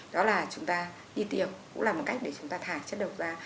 đó là chúng ta đi tiệc cũng là một cách để chúng ta thải chất độc ra